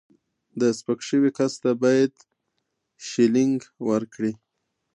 د سپک شوي کس ته باید شیلینګ ورکړي.